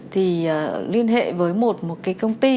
thì liên hệ với một công ty